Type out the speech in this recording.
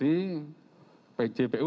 dari kejabung dan harfi lengkap